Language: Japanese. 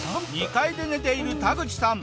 ２階で寝ているタグチさん。